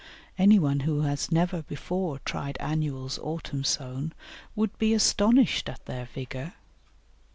Any one who has never before tried Annuals autumn sown would be astonished at their vigour.